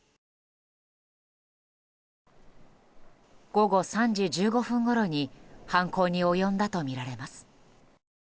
午後３時１５分ごろに犯行に及んだとみられます。